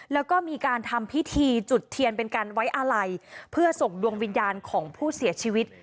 แล้วก็มีการทำพิธีจุดเทียนเป็นการไว้อาลัยเพื่อส่งดวงวิญญาณของผู้เสียชีวิต